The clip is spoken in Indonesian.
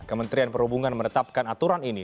kementerian perhubungan menetapkan aturan ini